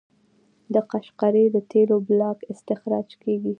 د قشقري د تیلو بلاک استخراج کیږي.